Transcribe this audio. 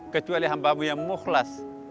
kecuali hambamu yang mukhlas